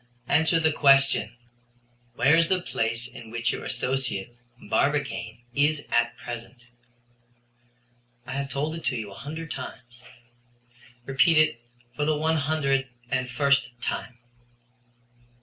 "Answer the question, where is the place in which your associate, Barbicane, is at present." "I have told it to you a hundred times." "Repeat it for the one hundred and first time."